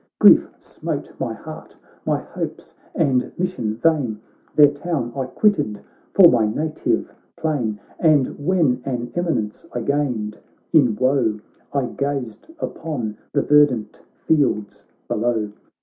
Grief smote my heart, my hopes and mission vain ; Their town I quitted for my native plain, And when an eminence I gained, in woe I gazed upon the verdant fields below.